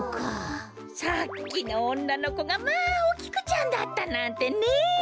さっきのおんなのこがまあお菊ちゃんだったなんてねえ。